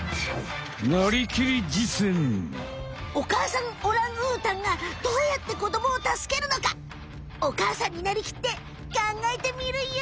お母さんオランウータンがどうやって子どもを助けるのかお母さんになりきってかんがえてみるよ！